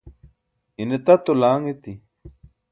ine tato laaṅ eti